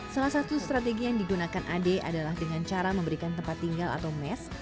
salah satu strategi yang digunakan ade adalah dengan cara memberikan tempat tinggal atau mes